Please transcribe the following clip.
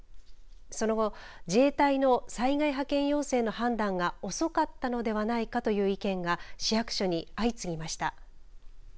その後、自衛隊の災害派遣要請の判断が遅かったのではないかという意見が市役所に相次ぎました。